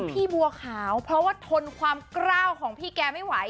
พี่บัวขาวเพราะว่าทนความกล้าวของพี่แกไม่ไหว